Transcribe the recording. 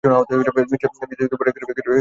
Mrs সুটারের কাছ থেকেও সুন্দর একখানি চিঠি পেয়েছি।